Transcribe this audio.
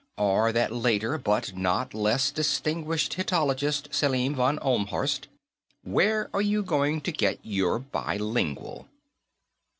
Or that later but not less distinguished Hittitologist, Selim von Ohlmhorst: 'Where are you going to get your bilingual?'"